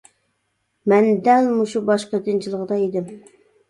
مەن دەل مۇشۇ باش قېتىنچىلىقىدا ئىدىم.